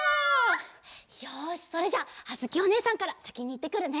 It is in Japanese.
よしそれじゃあづきおねえさんからさきにいってくるね。